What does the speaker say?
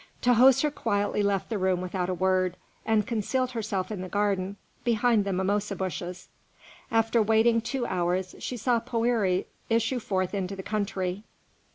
Tahoser quietly left the room without a word, and concealed herself in the garden behind the mimosa bushes. After waiting two hours, she saw Poëri issue forth into the country.